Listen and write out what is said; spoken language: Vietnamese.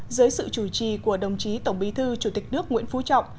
dưới sự chủ trì của đồng chí tổng bí thư chủ tịch nước nguyễn phú trọng